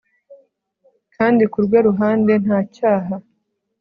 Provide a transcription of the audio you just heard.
kandi ku rwe ruhande nta cyaha